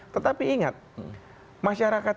tetapi ingat masyarakat